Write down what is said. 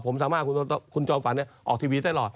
ผมสามารถคุณจอมฝันออกทีวีได้ตลอด